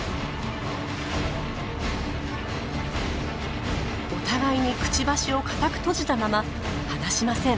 お互いにくちばしを固く閉じたまま離しません。